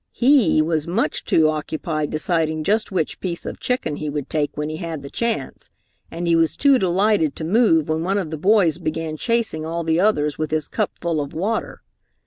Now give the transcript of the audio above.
He was too much occupied deciding just which piece of chicken he would take when he had the chance, and he was too delighted to move when one of the boys began chasing all the others with his cup full of water.